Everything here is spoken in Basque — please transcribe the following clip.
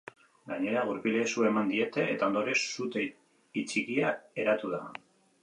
Gainera, gurpilei su eman diete, eta ondorioz sute txikia eratu da.